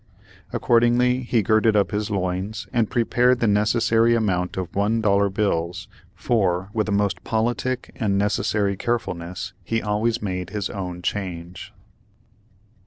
Accordingly, he girded up his loins, and prepared the necessary amount of one dollar bills; for, with a most politic and necessary carefulness, he always made his own change.